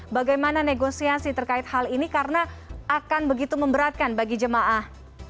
bagaimana hal ini karena akan begitu memberatkan bagi jemaah